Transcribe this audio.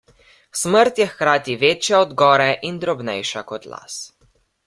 Smrt je hkrati večja od gore in drobnejša kot las.